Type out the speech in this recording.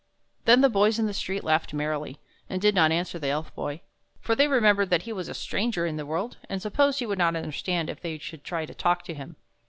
Then the boys in the street laughed merrily, and did not answer the Elf Boy, for they remembered that he was a stranger in the world, and supposed he would not understand if they should try to talk to him.